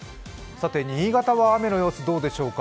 新潟は雨の様子どうでしょうか。